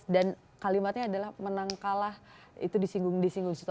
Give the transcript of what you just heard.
dan kalimatnya adalah menang kalah itu disinggung disitu